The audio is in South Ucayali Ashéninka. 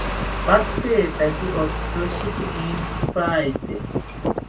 Patetaki otishiki entzipaete